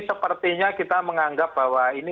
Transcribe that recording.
sepertinya kita menganggap bahwa ini